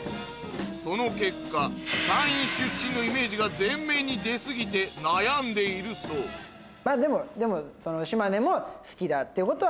その結果山陰出身のイメージが前面に出過ぎて悩んでいるそうまぁでも。ですし。